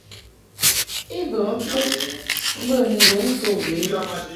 I bə mfed mbə ndon to we i.